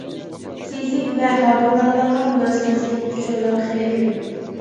سېزىك ۋە ھامىلىدارلارغا مۇناسىۋەتلىك ئۇچۇرلار خېلى كۆپ.